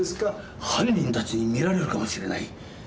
犯人たちに見られるかもしれない。